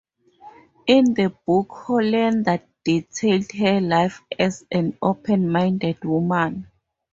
In the book Hollander detailed her life as an open-minded woman.